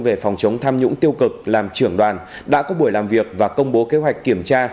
về phòng chống tham nhũng tiêu cực làm trưởng đoàn đã có buổi làm việc và công bố kế hoạch kiểm tra